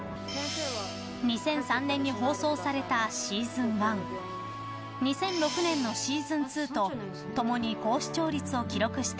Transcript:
２００３年に放送されたシーズン１２００６年のシーズン２とともに高視聴率を記録した